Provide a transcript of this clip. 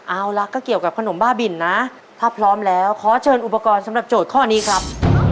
เอาล่ะก็เกี่ยวกับขนมบ้าบินนะถ้าพร้อมแล้วขอเชิญอุปกรณ์สำหรับโจทย์ข้อนี้ครับ